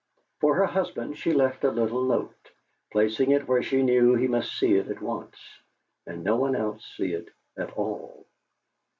For her husband she left a little note, placing it where she knew he must see it at once, and no one else see it at all.